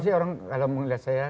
sih orang kalau melihat saya